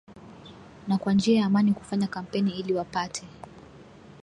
na kwa njia ya amani kufanya kampeni ili wapate